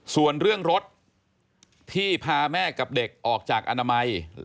ส่วนเรื่องรถที่พาแม่กับเด็กออกจากอนามัย